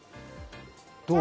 どう？